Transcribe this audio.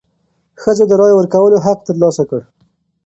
ښځو د رایې ورکولو حق تر لاسه کړ.